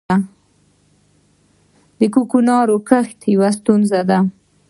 د کوکنارو کښت یوه ستونزه ده